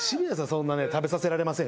そんなね食べさせられません。